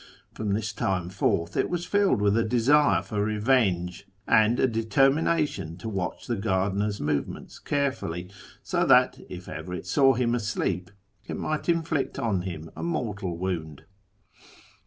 From this time forth it was filled with a desire for revenge, and a de termination to watch the gardener's movements carefully, so that, if ever it saw him asleep, it might inflict on him a mortal wound.